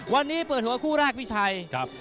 วันนี้เปิดหัวคู่แรกพี่ชัย